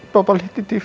papa lihat di tv